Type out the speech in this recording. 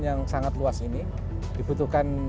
yang sangat luas ini dibutuhkan